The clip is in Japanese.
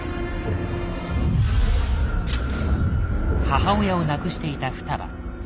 母親を亡くしていた双葉。